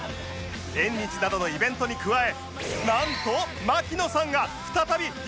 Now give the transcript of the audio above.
縁日などのイベントに加えなんと槙野さんが再び岐阜にやって来る！